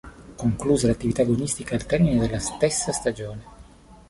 Concluse l'attività agonistica al termine della stessa stagione.